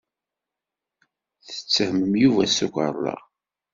Tettehmem Yuba s tukerḍa.